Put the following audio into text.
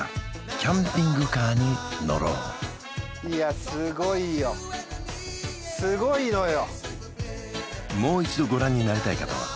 キャンピングカーに乗ろういやすごいよすごいのよ